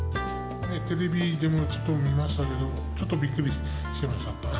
テレビでも見ましたけど、ちょっとびっくりしてました。